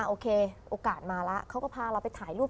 โอเคโอกาสมาแล้วเขาก็พาเราไปถ่ายรูป